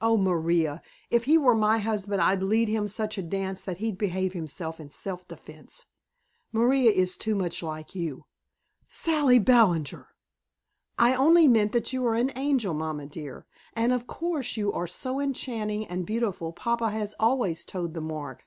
"Oh, Maria! If he were my husband I'd lead him such a dance that he'd behave himself in self defence. Maria is too much like you " "Sally Ballinger!" "I only meant that you are an angel, mamma dear. And of course you are so enchanting and beautiful papa has always toed the mark.